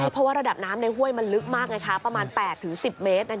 เพราะว่าระดับน้ำในห้วยมันลึกมากประมาณ๘๑๐เมตร